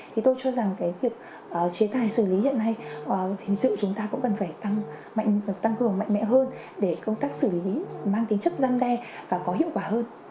thì tôi cho rằng cái việc chế tài xử lý hiện nay hình sự chúng ta cũng cần phải tăng mạnh tăng cường mạnh mẽ hơn để công tác xử lý mang tính chất gian đe và có hiệu quả hơn